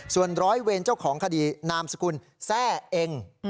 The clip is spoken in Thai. ส่วนร้อยเวรเจ้าของคดีนามสกุลแทร่เอง